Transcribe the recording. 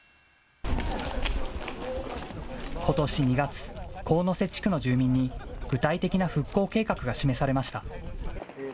ことし２月、神瀬地区の住民に、具体的な復興計画が示されました。